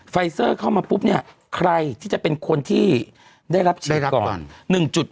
ไฟเซอร์เข้ามาปุ๊บเนี่ยใครที่จะเป็นคนที่ได้รับเชื้อก่อน